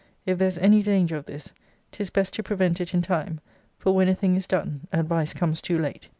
If there's any danger of this, 'tis best to prevent it in time: for when a thing is done, advice comes too late.